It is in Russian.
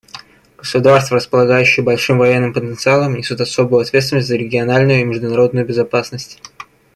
Государства, располагающие большим военным потенциалом, несут особую ответственность за региональную и международную безопасность.